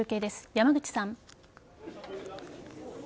山口さん。